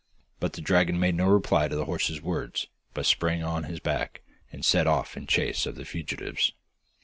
But the dragon made no reply to the horse's words, but sprang on his back and set off in chase of the fugitives.